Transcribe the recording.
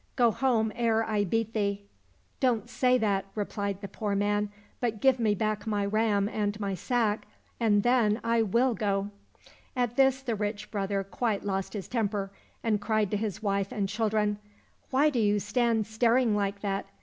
Go home ere I beat thee !"—" Don't say that," repUed the poor man, " but give me back my ram and my sack, and then I will go." — At this the rich brother quite lost his temper, and cried to his wife and children, *' Why do you stand staring like that